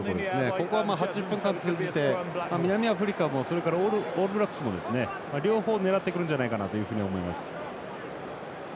ここは、８０分間通じて南アフリカもそれからオールブラックスも両方狙ってくるんじゃないかなと思います。